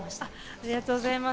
ありがとうございます。